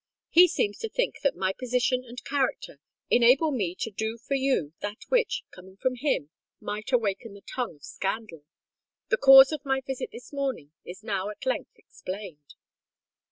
He seems to think that my position and character enable me to do for you that which, coming from him, might awaken the tongue of scandal. The cause of my visit this morning is now at length explained."